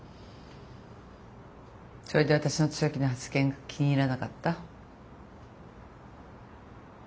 それで私の強気な発言が気に入らなかった？